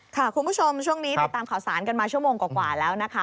คุณผู้ชมช่วงนี้ติดตามข่าวสารกันมาชั่วโมงกว่าแล้วนะคะ